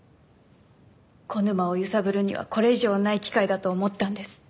小沼を揺さぶるにはこれ以上ない機会だと思ったんです。